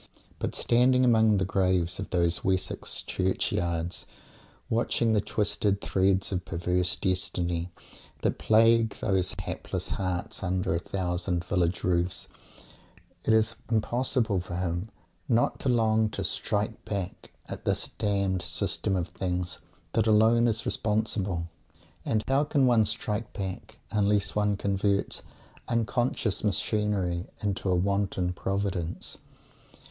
But, standing among the graves of those Wessex churchyards, or watching the twisted threads of perverse destiny that plague those hapless hearts under a thousand village roofs, it is impossible for him not to long to "strike back" at this damned System of Things that alone is responsible. And how can one "strike back" unless one converts unconscious machinery into a wanton Providence?